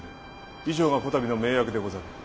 以上がこたびの盟約でござる。